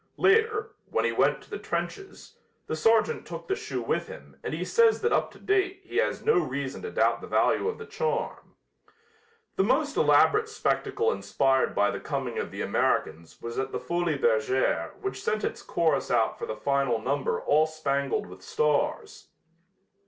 Later, when he went to the trenches, the sergeant took the shoe with him and he says that up to date he has no reason to doubt the value of the charm. The most elaborate spectacle inspired by the coming of the Americans was at the Folies Bergères which sent its chorus out for the final number all spangled with stars.